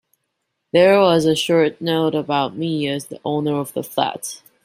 There was a short note about me as the owner of the flat.